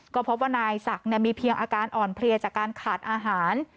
ก็พบว่านายศักดิ์มีเพียงอาการอ่อนเพลียจากการขาดอาหาร